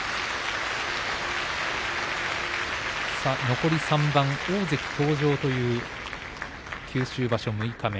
残り３番、大関登場という九州場所六日目。